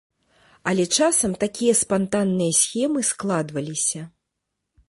Але часам такія спантанныя схемы складваліся.